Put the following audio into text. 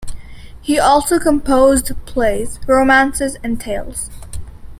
He also composed plays, romances and tales.